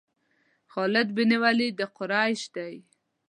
خالد بن ولید د قریش دی.